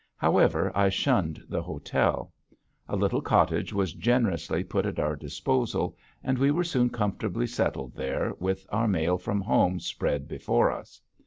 However, I shunned the hotel. A little cottage was generously put at our disposal and we were soon comfortably settled there with our mail from home spread before us.